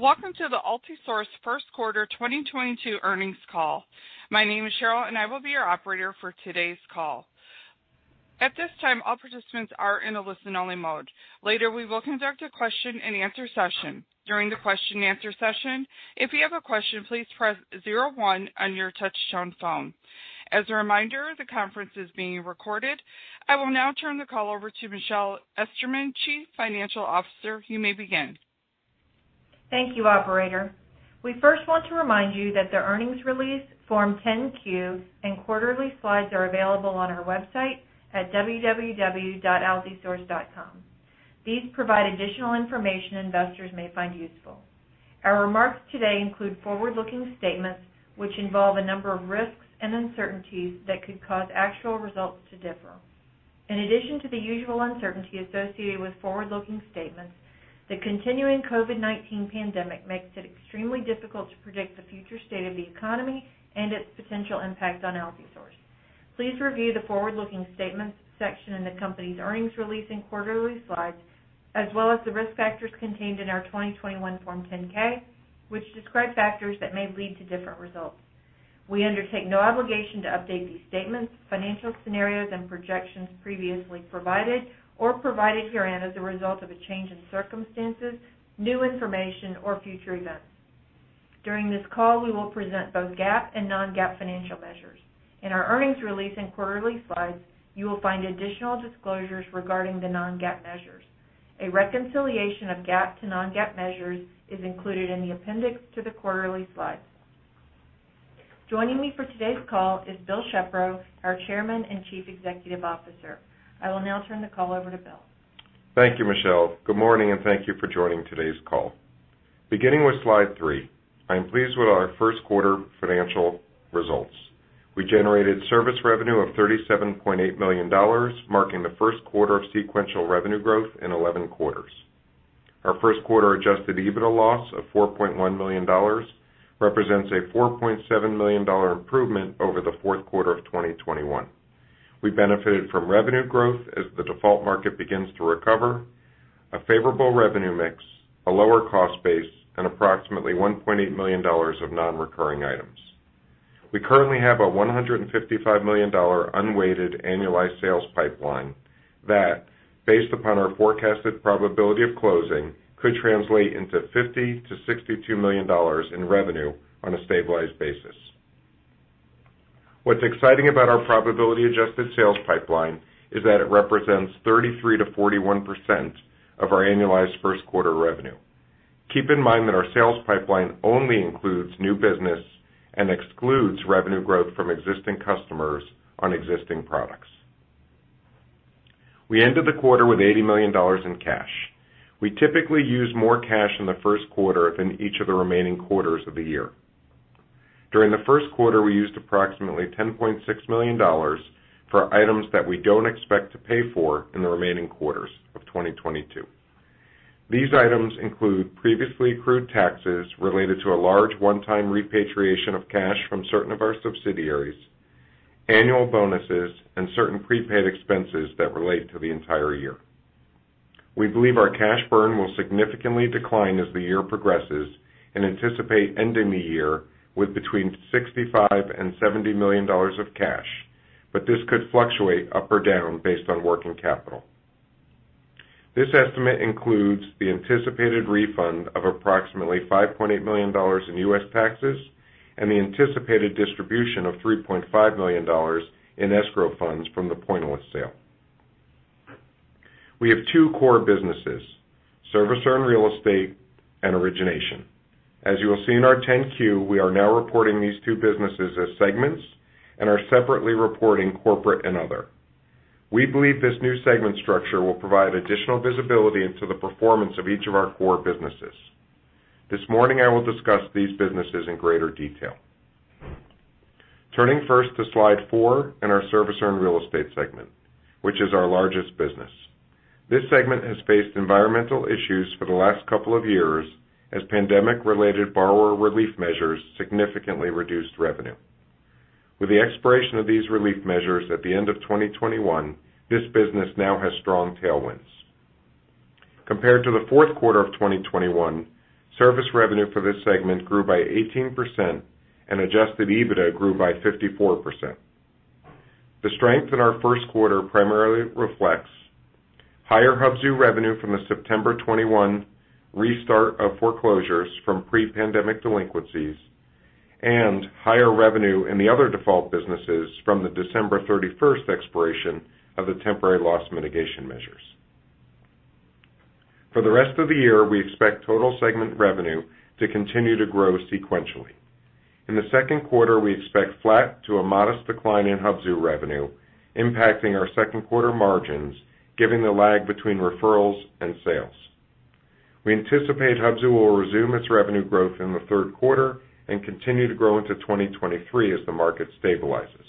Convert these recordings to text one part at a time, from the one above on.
Welcome to the Altisource first quarter 2022 earnings call. My name is Cheryl and I will be your operator for today's call. At this time, all participants are in a listen-only mode. Later, we will conduct a question-and-answer session. During the question-and-answer session, if you have a question, please press zero one on your touchtone phone. As a reminder, the conference is being recorded. I will now turn the call over to Michelle Esterman, Chief Financial Officer. You may begin. Thank you, operator. We first want to remind you that the earnings release, Form 10-Q and quarterly slides are available on our website at www.altisource.com. These provide additional information investors may find useful. Our remarks today include forward-looking statements, which involve a number of risks and uncertainties that could cause actual results to differ. In addition to the usual uncertainty associated with forward-looking statements, the continuing COVID-19 pandemic makes it extremely difficult to predict the future state of the economy and its potential impact on Altisource. Please review the forward-looking statements section in the company's earnings release and quarterly slides, as well as the risk factors contained in our 2021 Form 10-K, which describe factors that may lead to different results. We undertake no obligation to update these statements, financial scenarios and projections previously provided or provided herein as a result of a change in circumstances, new information or future events. During this call, we will present both GAAP and non-GAAP financial measures. In our earnings release and quarterly slides, you will find additional disclosures regarding the non-GAAP measures. A reconciliation of GAAP to non-GAAP measures is included in the appendix to the quarterly slides. Joining me for today's call is Bill Shepro, our Chairman and Chief Executive Officer. I will now turn the call over to Bill. Thank you, Michelle. Good morning, and thank you for joining today's call. Beginning with slide three, I am pleased with our first quarter financial results. We generated service revenue of $37.8 million, marking the first quarter of sequential revenue growth in 11 quarters. Our first quarter adjusted EBITDA loss of $4.1 million represents a $4.7 million dollar improvement over the fourth quarter of 2021. We benefited from revenue growth as the default market begins to recover, a favorable revenue mix, a lower cost base and approximately $1.8 million of non-recurring items. We currently have a $155 million dollar unweighted annualized sales pipeline that, based upon our forecasted probability of closing, could translate into $50 million-$62 million in revenue on a stabilized basis. What's exciting about our probability adjusted sales pipeline is that it represents 33%-41% of our annualized first quarter revenue. Keep in mind that our sales pipeline only includes new business and excludes revenue growth from existing customers on existing products. We ended the quarter with $80 million in cash. We typically use more cash in the first quarter than each of the remaining quarters of the year. During the first quarter, we used approximately $10.6 million for items that we don't expect to pay for in the remaining quarters of 2022. These items include previously accrued taxes related to a large one-time repatriation of cash from certain of our subsidiaries, annual bonuses, and certain prepaid expenses that relate to the entire year. We believe our cash burn will significantly decline as the year progresses and anticipate ending the year with between $65 million and $70 million of cash, but this could fluctuate up or down based on working capital. This estimate includes the anticipated refund of approximately $5.8 million in U.S. taxes and the anticipated distribution of $3.5 million in escrow funds from the Pointillist sale. We have two core businesses, servicer and real estate and origination. As you will see in our 10-Q, we are now reporting these two businesses as segments and are separately reporting corporate and other. We believe this new segment structure will provide additional visibility into the performance of each of our core businesses. This morning, I will discuss these businesses in greater detail. Turning first to slide four in our servicer and real estate segment, which is our largest business. This segment has faced environmental issues for the last couple of years as pandemic related borrower relief measures significantly reduced revenue. With the expiration of these relief measures at the end of 2021, this business now has strong tailwinds. Compared to the fourth quarter of 2021, service revenue for this segment grew by 18% and adjusted EBITDA grew by 54%. The strength in our first quarter primarily reflects higher Hubzu revenue from the September 2021 restart of foreclosures from pre-pandemic delinquencies and higher revenue in the other default businesses from the December 31st expiration of the temporary loss mitigation measures. For the rest of the year, we expect total segment revenue to continue to grow sequentially. In the second quarter, we expect flat to a modest decline in Hubzu revenue impacting our second quarter margins, giving the lag between referrals and sales. We anticipate Hubzu will resume its revenue growth in the third quarter and continue to grow into 2023 as the market stabilizes.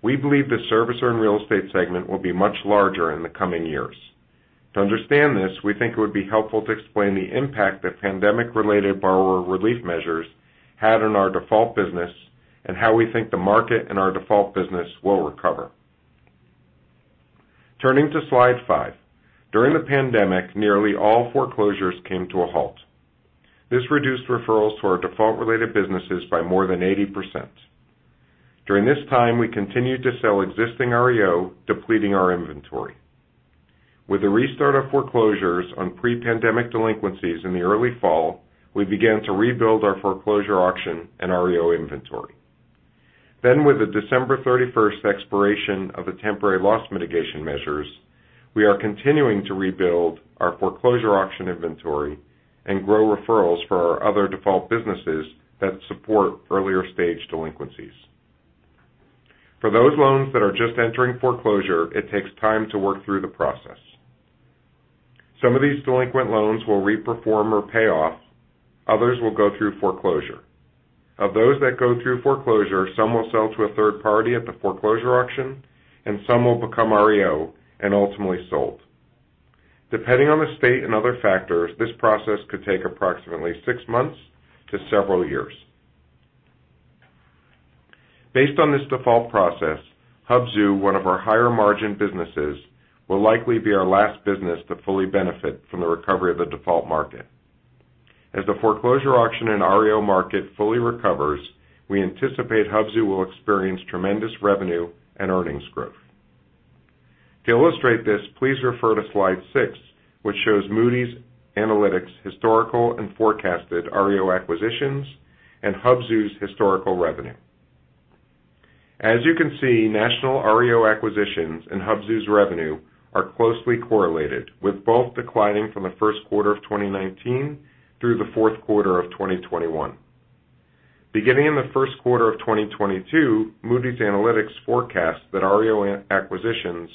We believe the servicer and real estate segment will be much larger in the coming years. To understand this, we think it would be helpful to explain the impact that pandemic-related borrower relief measures had on our default business and how we think the market and our default business will recover. Turning to slide five. During the pandemic, nearly all foreclosures came to a halt. This reduced referrals to our default related businesses by more than 80%. During this time, we continued to sell existing REO, depleting our inventory. With the restart of foreclosures on pre-pandemic delinquencies in the early fall, we began to rebuild our foreclosure auction and REO inventory. With the December thirty-first expiration of the temporary loss mitigation measures, we are continuing to rebuild our foreclosure auction inventory and grow referrals for our other default businesses that support earlier stage delinquencies. For those loans that are just entering foreclosure, it takes time to work through the process. Some of these delinquent loans will reperform or pay off, others will go through foreclosure. Of those that go through foreclosure, some will sell to a third party at the foreclosure auction and some will become REO and ultimately sold. Depending on the state and other factors, this process could take approximately six months to several years. Based on this default process, Hubzu, one of our higher margin businesses, will likely be our last business to fully benefit from the recovery of the default market. As the foreclosure auction and REO market fully recovers, we anticipate Hubzu will experience tremendous revenue and earnings growth. To illustrate this, please refer to slide six, which shows Moody's Analytics historical and forecasted REO acquisitions and Hubzu's historical revenue. As you can see, national REO acquisitions and Hubzu's revenue are closely correlated, with both declining from the first quarter of 2019 through the fourth quarter of 2021. Beginning in the first quarter of 2022, Moody's Analytics forecasts that REO acquisitions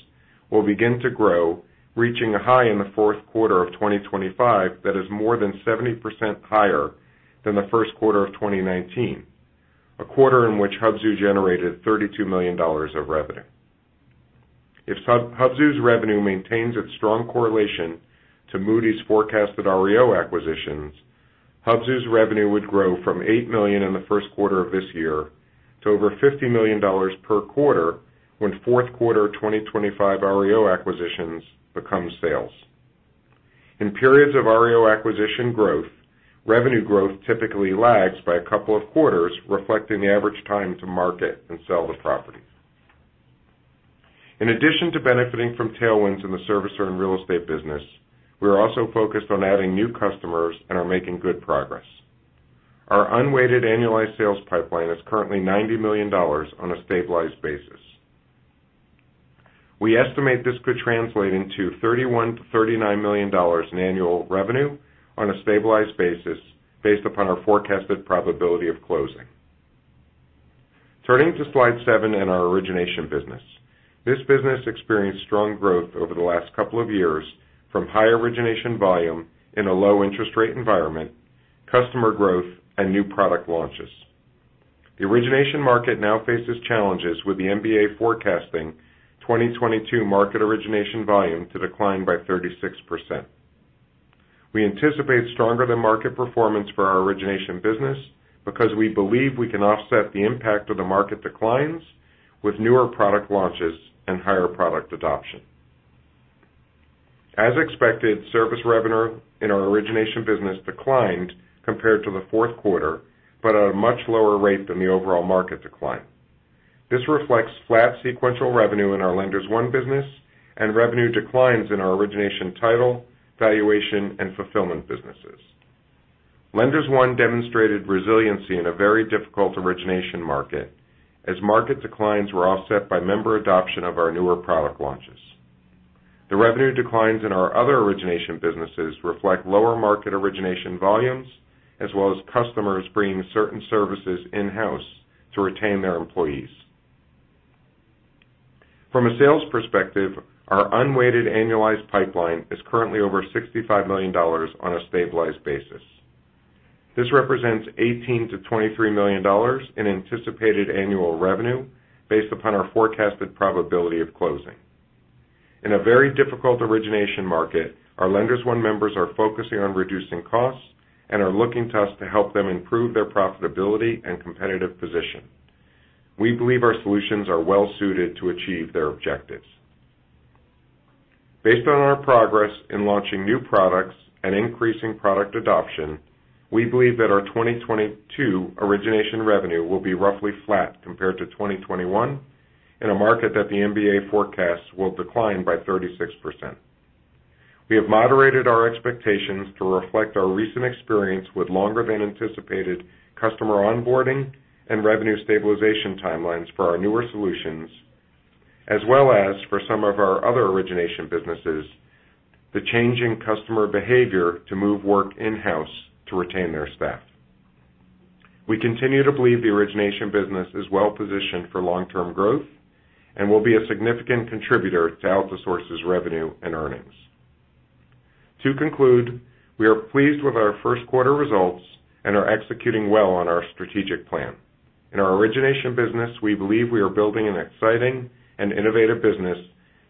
will begin to grow, reaching a high in the fourth quarter of 2025 that is more than 70% higher than the first quarter of 2019, a quarter in which Hubzu generated $32 million of revenue. If Hubzu's revenue maintains its strong correlation to Moody's forecasted REO acquisitions, Hubzu's revenue would grow from $8 million in the first quarter of this year to over $50 million per quarter when fourth quarter 2025 REO acquisitions become sales. In periods of REO acquisition growth, revenue growth typically lags by a couple of quarters, reflecting the average time to market and sell the properties. In addition to benefiting from tailwinds in the servicer and real estate business, we are also focused on adding new customers and are making good progress. Our unweighted annualized sales pipeline is currently $90 million on a stabilized basis. We estimate this could translate into $31 million-$39 million in annual revenue on a stabilized basis based upon our forecasted probability of closing. Turning to slide seven in our origination business. This business experienced strong growth over the last couple of years from high origination volume in a low interest rate environment, customer growth, and new product launches. The origination market now faces challenges with the MBA forecasting 2022 market origination volume to decline by 36%. We anticipate stronger than market performance for our origination business because we believe we can offset the impact of the market declines with newer product launches and higher product adoption. As expected, service revenue in our origination business declined compared to the fourth quarter, but at a much lower rate than the overall market decline. This reflects flat sequential revenue in our Lenders One business and revenue declines in our origination title, valuation, and fulfillment businesses. Lenders One demonstrated resiliency in a very difficult origination market as market declines were offset by member adoption of our newer product launches. The revenue declines in our other origination businesses reflect lower market origination volumes as well as customers bringing certain services in-house to retain their employees. From a sales perspective, our unweighted annualized pipeline is currently over $65 million on a stabilized basis. This represents $18 million-$23 million in anticipated annual revenue based upon our forecasted probability of closing. In a very difficult origination market, our Lenders One members are focusing on reducing costs and are looking to us to help them improve their profitability and competitive position. We believe our solutions are well suited to achieve their objectives. Based on our progress in launching new products and increasing product adoption, we believe that our 2022 origination revenue will be roughly flat compared to 2021 in a market that the MBA forecasts will decline by 36%. We have moderated our expectations to reflect our recent experience with longer than anticipated customer onboarding and revenue stabilization timelines for our newer solutions, as well as for some of our other origination businesses, the changing customer behavior to move work in-house to retain their staff. We continue to believe the origination business is well positioned for long-term growth and will be a significant contributor to Altisource's revenue and earnings. To conclude, we are pleased with our first quarter results and are executing well on our strategic plan. In our origination business, we believe we are building an exciting and innovative business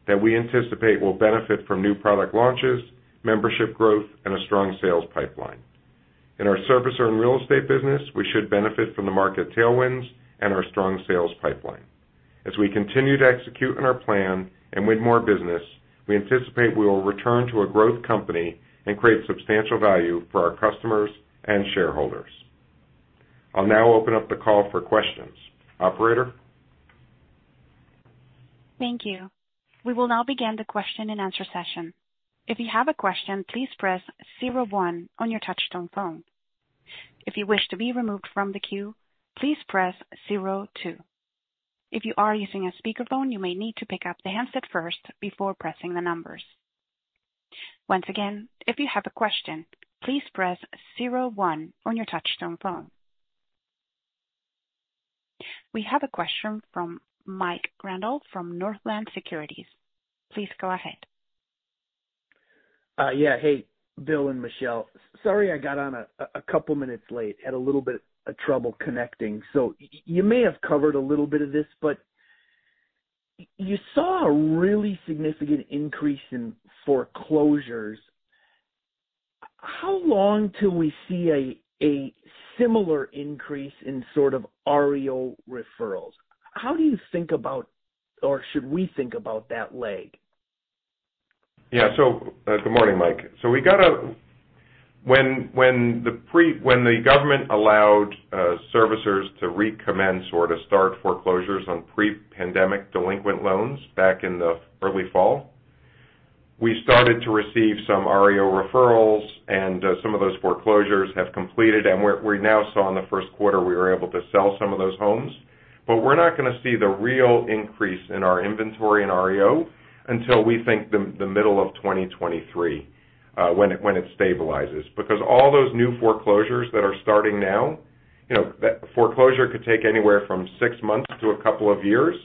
that we anticipate will benefit from new product launches, membership growth, and a strong sales pipeline. In our servicer and real estate business, we should benefit from the market tailwinds and our strong sales pipeline. As we continue to execute on our plan and win more business, we anticipate we will return to a growth company and create substantial value for our customers and shareholders. I'll now open up the call for questions. Operator? Thank you. We will now begin the question-and-answer session. If you have a question, please press zero one on your touchtone phone. If you wish to be removed from the queue, please press zero two. If you are using a speakerphone, you may need to pick up the handset first before pressing the numbers. Once again, if you have a question, please press zero one on your touchtone phone. We have a question from Mike Grondahl from Northland Securities. Please go ahead. Yeah. Hey, Bill and Michelle. Sorry I got on a couple minutes late. Had a little bit of trouble connecting. You may have covered a little bit of this, but you saw a really significant increase in foreclosures. How long till we see a similar increase in sort of REO referrals? How do you think about, or should we think about that leg? Good morning, Mike. When the government allowed servicers to recommence or to start foreclosures on pre-pandemic delinquent loans back in the early fall, we started to receive some REO referrals, and some of those foreclosures have completed. We now saw in the first quarter, we were able to sell some of those homes. We're not gonna see the real increase in our inventory in REO until we think the middle of 2023, when it stabilizes. Because all those new foreclosures that are starting now, you know, that foreclosure could take anywhere from six months to a couple of years.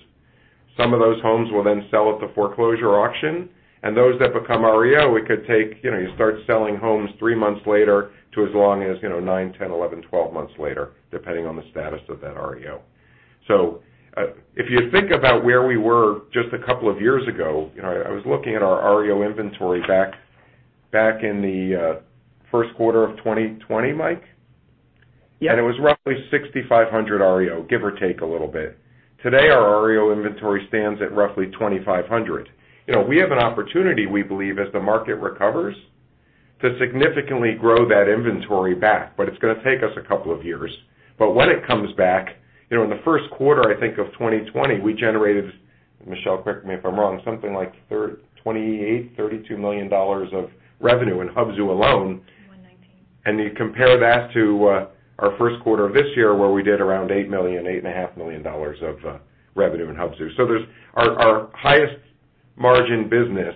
Some of those homes will then sell at the foreclosure auction, and those that become REO, it could take, you know, you start selling homes three months later to as long as, you know, nine, 10, 11, 12 months later, depending on the status of that REO. If you think about where we were just a couple of years ago, you know, I was looking at our REO inventory back in the first quarter of 2020, Mike. Yeah. It was roughly 6,500 REO, give or take a little bit. Today, our REO inventory stands at roughly 2,500. You know, we have an opportunity, we believe, as the market recovers, to significantly grow that inventory back, but it's gonna take us a couple of years. When it comes back, you know, in the first quarter, I think of 2020, we generated, Michelle correct me if I'm wrong, something like $28 million-$32 million of revenue in Hubzu alone. 119. You compare that to our first quarter of this year, where we did around $8 million-$8.5 million dollars of revenue in Hubzu. Our highest margin business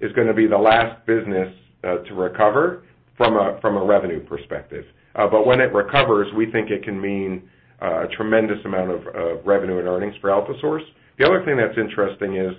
is gonna be the last business to recover from a revenue perspective. But when it recovers, we think it can mean a tremendous amount of revenue and earnings for Altisource. The other thing that's interesting is,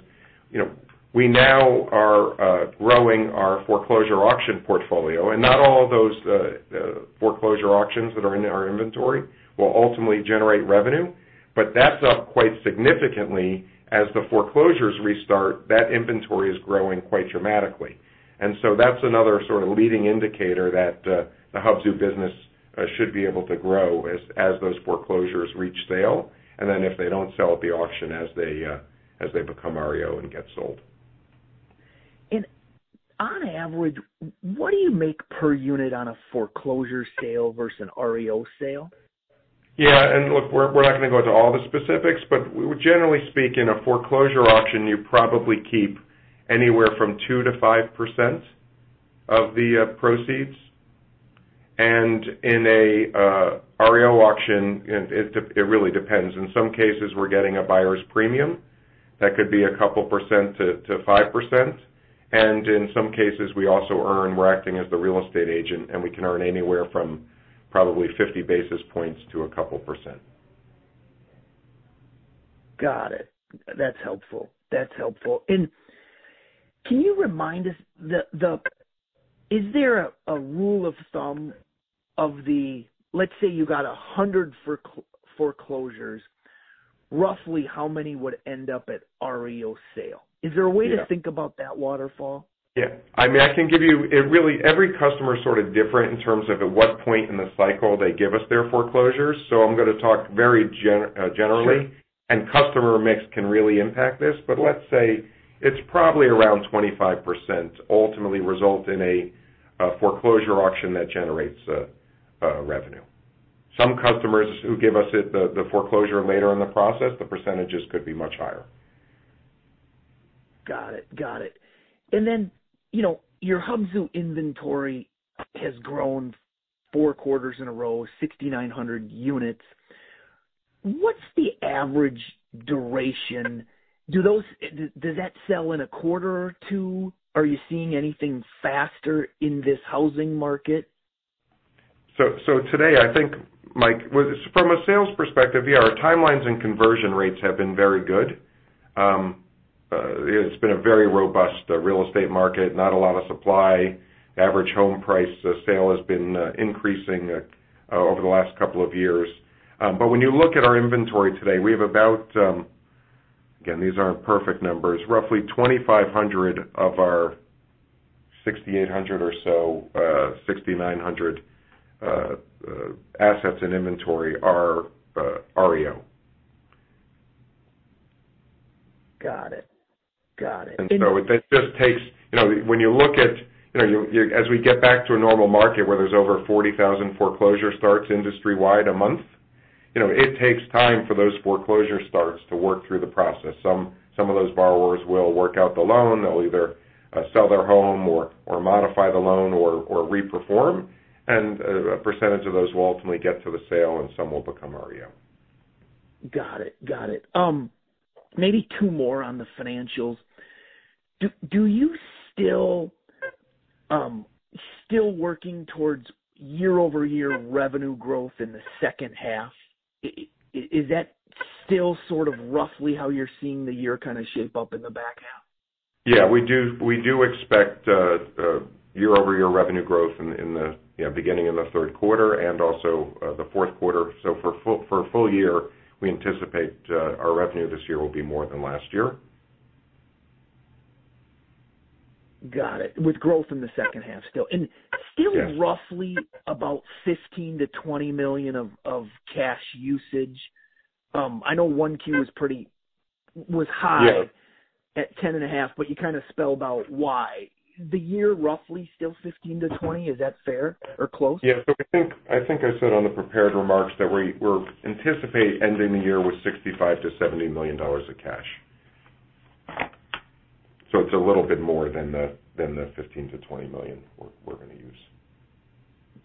you know, we now are growing our foreclosure auction portfolio, and not all of those foreclosure auctions that are in our inventory will ultimately generate revenue. That's up quite significantly. As the foreclosures restart, that inventory is growing quite dramatically. That's another sort of leading indicator that the Hubzu business should be able to grow as those foreclosures reach sale, and then if they don't sell at the auction as they become REO and get sold. On average, what do you make per unit on a foreclosure sale versus an REO sale? Yeah. Look, we're not gonna go into all the specifics, but generally speaking, a foreclosure auction, you probably keep anywhere from 2%-5% of the proceeds. In a REO auction, it really depends. In some cases, we're getting a buyer's premium that could be a couple percent to 5%. In some cases, we also earn, we're acting as the real estate agent, and we can earn anywhere from probably 50 basis points to a couple percent. Got it. That's helpful. Is there a rule of thumb, let's say you got 100 foreclosures, roughly how many would end up at REO sale? Yeah. Is there a way to think about that waterfall? Yeah. I mean, I can give you. It really, every customer is sort of different in terms of at what point in the cycle they give us their foreclosures, so I'm gonna talk very generally. Sure. Customer mix can really impact this. Let's say it's probably around 25% ultimately result in a foreclosure auction that generates revenue. Some customers who give us the foreclosure later in the process, the percentages could be much higher. Got it. You know, your Hubzu inventory has grown four quarters in a row, 6,900 units. What's the average duration? Does that sell in a quarter or two? Are you seeing anything faster in this housing market? Today, I think, Mike, from a sales perspective, yeah, our timelines and conversion rates have been very good. It's been a very robust real estate market, not a lot of supply. Average home price sale has been increasing over the last couple of years. When you look at our inventory today, we have about. Again, these aren't perfect numbers. Roughly 2,500 of our 6,800 or so, 6,900, assets in inventory are REO. Got it. Got it. It just takes. You know, when you look at, you know, as we get back to a normal market where there's over 40,000 foreclosure starts industry-wide a month, you know, it takes time for those foreclosure starts to work through the process. Some of those borrowers will work out the loan. They'll either sell their home or modify the loan or reperform. A percentage of those will ultimately get to the sale, and some will become REO. Got it. Maybe two more on the financials. Do you still working towards year-over-year revenue growth in the second half? Is that still sort of roughly how you're seeing the year kind of shape up in the back half? Yeah, we do expect year-over-year revenue growth in the beginning of the third quarter and also the fourth quarter. For full year, we anticipate our revenue this year will be more than last year. Got it. With growth in the second half still. Yes. Still roughly about $15 million-$20 million of cash usage. I know 1Q was high. Yeah. At 10.5, but you kind of spell out why. This year roughly still 15%-20%, is that fair or close? Yeah. I think I said on the prepared remarks that we're anticipating ending the year with $65 million-$70 million of cash. It's a little bit more than the fifteen to twenty million we're gonna use.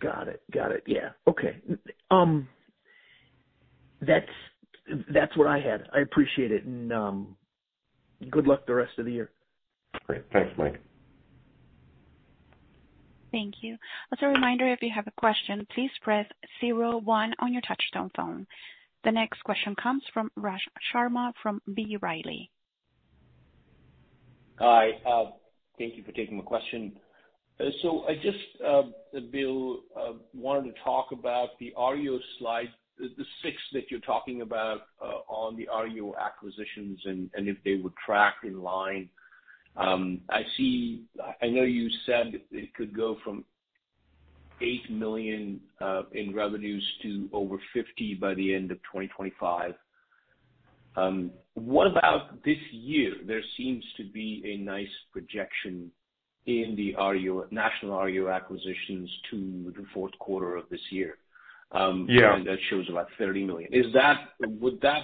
Got it. Yeah. Okay. That's what I had. I appreciate it, and good luck the rest of the year. Great. Thanks, Mike. Thank you. As a reminder, if you have a question, please press zero one on your touch tone phone. The next question comes from Raj Sharma from B. Riley. Hi. Thank you for taking my question. I just, Bill, wanted to talk about the REO slide, the sixth that you're talking about, on the REO acquisitions and if they would track in line. I see. I know you said it could go from $8 million in revenues to over $50 million by the end of 2025. What about this year? There seems to be a nice projection in the REO, national REO acquisitions to the fourth quarter of this year. Yeah. That shows about $30 million. Would that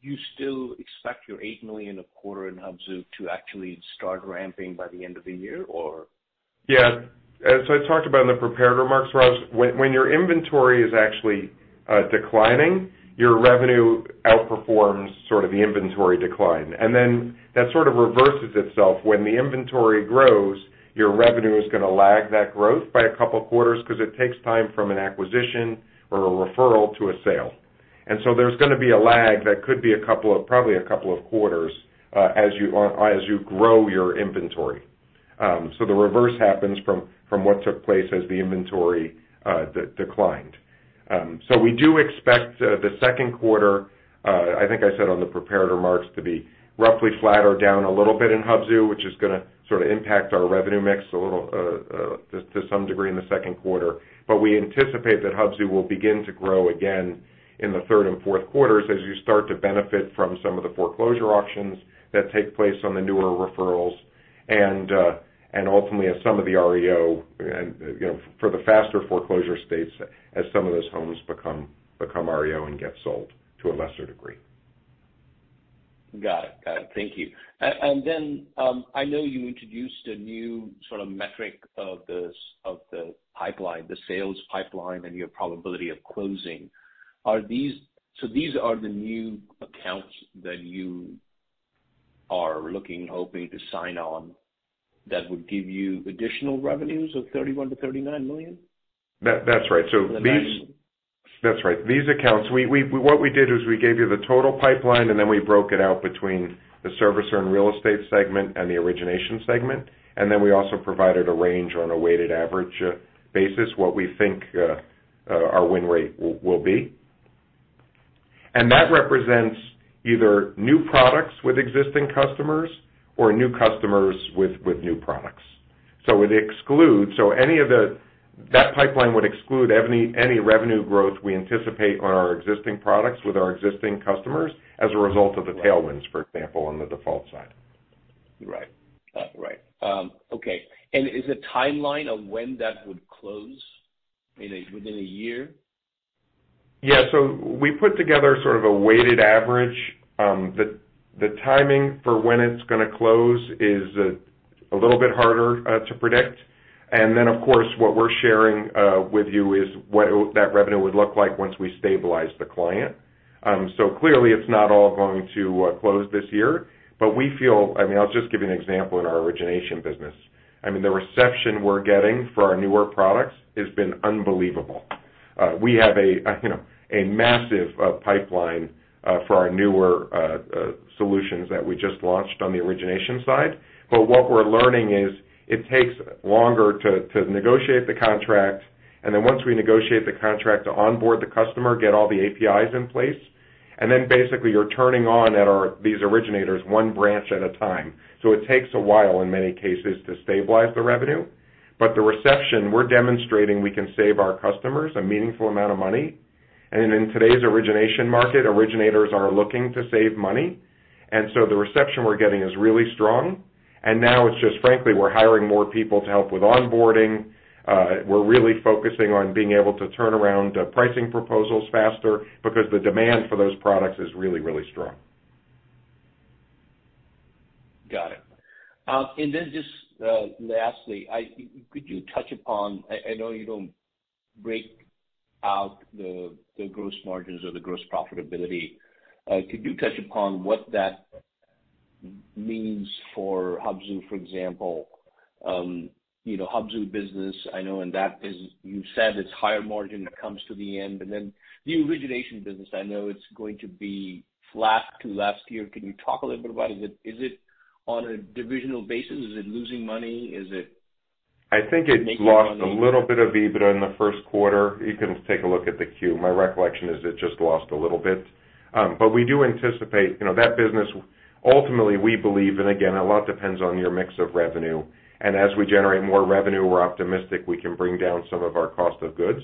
you still expect your $8 million a quarter in Hubzu to actually start ramping by the end of the year or? Yeah. As I talked about in the prepared remarks, Raj, when your inventory is actually declining, your revenue outperforms sort of the inventory decline. That sort of reverses itself. When the inventory grows, your revenue is gonna lag that growth by a couple quarters because it takes time from an acquisition or a referral to a sale. There's gonna be a lag that could be a couple of, probably a couple of quarters, as you grow your inventory. The reverse happens from what took place as the inventory declined. We do expect the second quarter, I think I said on the prepared remarks, to be roughly flat or down a little bit in Hubzu, which is gonna sort of impact our revenue mix a little, to some degree in the second quarter. We anticipate that Hubzu will begin to grow again in the third and fourth quarters as you start to benefit from some of the foreclosure auctions that take place on the newer referrals and ultimately as some of the REO and, you know, for the faster foreclosure states as some of those homes become REO and get sold to a lesser degree. Got it. Thank you. I know you introduced a new sort of metric of the pipeline, the sales pipeline and your probability of closing. Are these the new accounts that you are looking, hoping to sign on that would give you additional revenues of $31 million-$39 million? That's right. These. The nine. That's right. These accounts, what we did is we gave you the total pipeline, and then we broke it out between the servicer and real estate segment and the origination segment. Then we also provided a range on a weighted average basis, what we think our win rate will be. That represents either new products with existing customers or new customers with new products. It excludes. That pipeline would exclude any revenue growth we anticipate on our existing products with our existing customers as a result of the tailwinds, for example, on the default side. Right. Okay. Is there timeline on when that would close? Within a year? Yeah. We put together sort of a weighted average. The timing for when it's gonna close is a little bit harder to predict. Of course, what we're sharing with you is what that revenue would look like once we stabilize the client. Clearly it's not all going to close this year, but we feel. I mean, I'll just give you an example in our origination business. I mean, the reception we're getting for our newer products has been unbelievable. We have, you know, a massive pipeline for our newer solutions that we just launched on the origination side. What we're learning is it takes longer to negotiate the contract. Then once we negotiate the contract to onboard the customer, get all the APIs in place, and then basically you're turning on these originators one branch at a time. It takes a while in many cases to stabilize the revenue. The reception we're demonstrating, we can save our customers a meaningful amount of money. In today's origination market, originators are looking to save money. The reception we're getting is really strong. Now it's just frankly, we're hiring more people to help with onboarding. We're really focusing on being able to turn around pricing proposals faster because the demand for those products is really, really strong. Got it. Then just lastly, could you touch upon. I know you don't break out the gross margins or the gross profitability. Could you touch upon what that means for Hubzu, for example? You know, Hubzu business, I know you said it's higher margin, it comes to the end. Then the origination business, I know it's going to be flat to last year. Can you talk a little bit about is it on a divisional basis? Is it losing money? Is it I think it lost a little bit of EBITDA in the first quarter. You can take a look at the Q. My recollection is it just lost a little bit. We do anticipate, you know, that business, ultimately, we believe, and again, a lot depends on your mix of revenue. As we generate more revenue, we're optimistic we can bring down some of our cost of goods,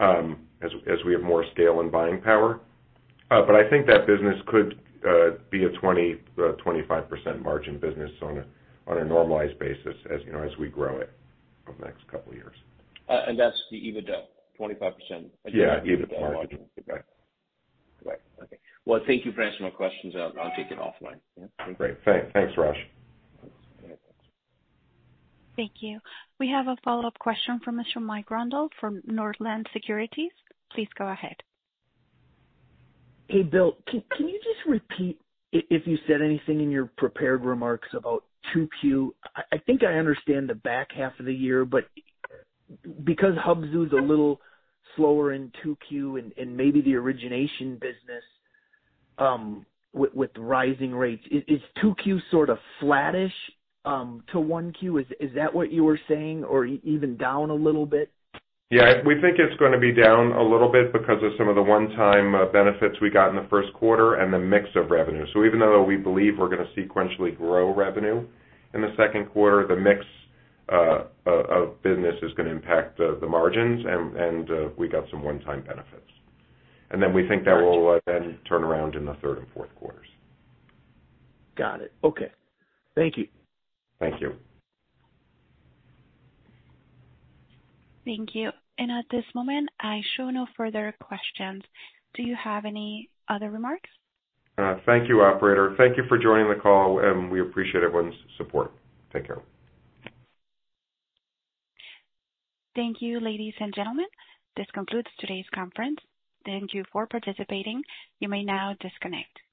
as we have more scale and buying power. I think that business could be a 20%-25% margin business on a normalized basis, you know, as we grow it over the next couple of years. That's the EBITDA, 25%? Yeah, EBITDA margin. Okay. Well, thank you for answering my questions. I'll take it offline. Great. Thanks, Raj. Thank you. We have a follow-up question from Mr. Mike Grondahl from Northland Securities. Please go ahead. Hey, Bill, can you just repeat if you said anything in your prepared remarks about 2Q? I think I understand the back half of the year, but because Hubzu is a little slower in 2Q and maybe the origination business with rising rates, is 2Q sort of flattish to 1Q? Is that what you were saying? Or even down a little bit? Yeah. We think it's gonna be down a little bit because of some of the one-time benefits we got in the first quarter and the mix of revenue. Even though we believe we're gonna sequentially grow revenue in the second quarter, the mix of business is gonna impact the margins and we got some one-time benefits. We think that will turn around in the third and fourth quarters. Got it. Okay. Thank you. Thank you. Thank you. At this moment, I show no further questions. Do you have any other remarks? Thank you, operator. Thank you for joining the call, and we appreciate everyone's support. Take care. Thank you, ladies and gentlemen. This concludes today's conference. Thank you for participating. You may now disconnect.